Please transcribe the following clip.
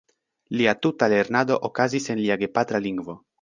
Lia tuta lernado okazis en lia gepatra lingvo.